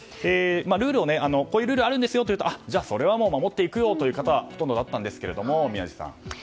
こういうルールがあるんですよと言うとじゃあ、それは守っていくよという方がほとんどだったんですけれども宮司さん。